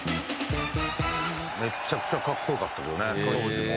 めちゃくちゃ格好良かったけどね当時も。